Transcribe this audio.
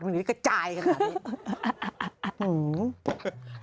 จะกระจายเลย